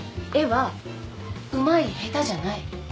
絵はうまい下手じゃない。